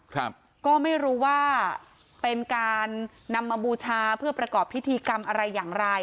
ครับก็ไม่รู้ว่าเป็นการนำมาบูชาเพื่อประกอบพิธีกรรมอะไรอย่างไร